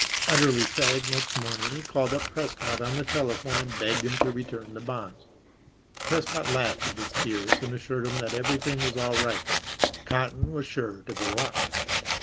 Utterly fagged next morning, he called up Prescott on the telephone and begged him to return the bonds. Prescott laughed at his fears and assured him that everything was all right. Cotton was sure to go up.